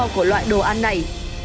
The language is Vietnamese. của loại đồ ăn này